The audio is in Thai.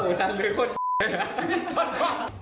อุ๊ยจานลื้อคนเลย